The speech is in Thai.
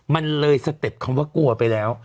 มันเลยสเต็ปคำว่ากลัวไปแล้ว